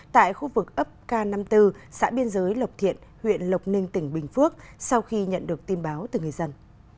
tại khu vực ấp k năm mươi bốn xã biên giới lộc thiện huyện lộc ninh tỉnh bình phước sau khi nhận được tin báo từ người dân